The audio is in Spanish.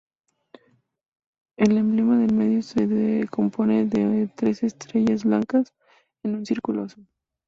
El emblema del medio se compone de tres estrellas blancas en un círculo azul.